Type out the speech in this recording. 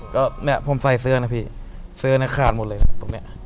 ก็เนี่ยผมใส่เสื้อนะพี่เสื้อเนกขาดหมดเลยนะ